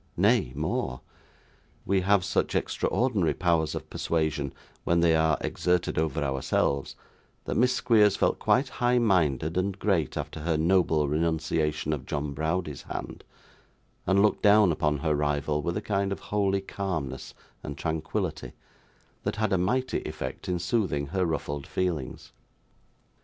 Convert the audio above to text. Nay, more. We have such extraordinary powers of persuasion when they are exerted over ourselves, that Miss Squeers felt quite high minded and great after her noble renunciation of John Browdie's hand, and looked down upon her rival with a kind of holy calmness and tranquillity, that had a mighty effect in soothing her ruffled feelings.